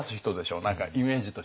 何かイメージとして監督は。